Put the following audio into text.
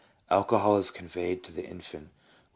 Alcohol is conveyed to the infant with MORALS.